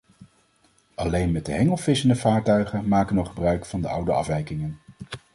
Alleen met de hengel vissende vaartuigen maken nog gebruik van de oude afwijkingen.